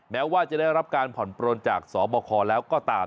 แม้ว่าจะได้รับการผ่อนปลนจากสบคแล้วก็ตาม